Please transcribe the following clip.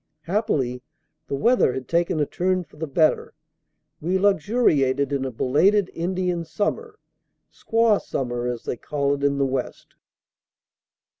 Happily the weather had taken a turn for the better; we luxuriated in a belated Indian Summer, Squaw Summer, as they call it in the West.